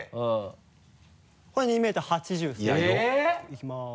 いきます。